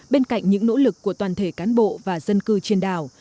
bên cạnh những nỗ lực của toàn thể cán bộ và dân cư trên đảo